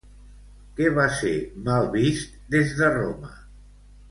Què va ser mal vist des de Roma?